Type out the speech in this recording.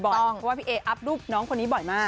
เพราะว่าพี่เออัพรูปน้องคนนี้บ่อยมาก